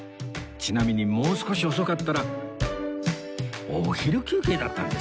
ちなみにもう少し遅かったらお昼休憩だったんです